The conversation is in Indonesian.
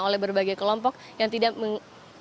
oleh berbagai kelompok yang tidak